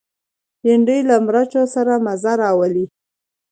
بېنډۍ له مرچو سره مزه راولي